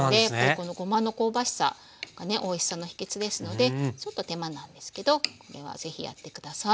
ここのごまの香ばしさがねおいしさの秘けつですのでちょっと手間なんですけどこれは是非やって下さい。